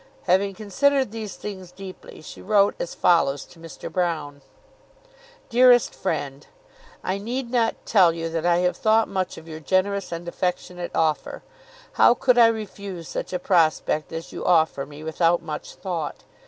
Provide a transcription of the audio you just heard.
Having considered these things deeply, she wrote as follows to Mr. Broune: DEAREST FRIEND, I need not tell you that I have thought much of your generous and affectionate offer. How could I refuse such a prospect as you offer me without much thought?